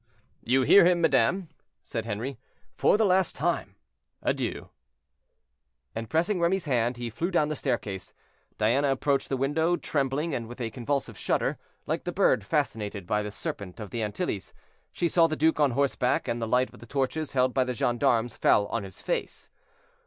"You hear him, madame," said Henri. "For the last time, adieu." And pressing Remy's hand, he flew down the staircase. Diana approached the window trembling, and with a convulsive shudder, like the bird fascinated by the serpent of the Antilles. She saw the duke on horseback, and the light of the torches held by the gendarmes fell on his face.